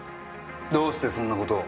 どうしてそんな事を？